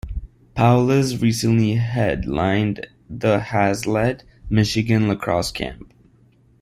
Powless recently headlined the Haslett, Michigan lacrosse camp.